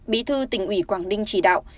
bí thư tỉnh ủy quảng ninh chỉ đạo